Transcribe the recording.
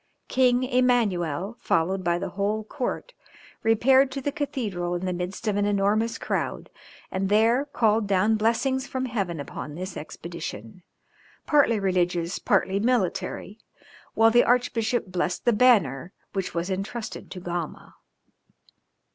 King Emmanuel, followed by the whole court, repaired to the cathedral in the midst of an enormous crowd, and there called down blessings from heaven upon this expedition, partly religious, partly military, while the Archbishop blessed the banner which was entrusted to Gama.